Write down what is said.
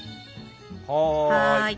はい。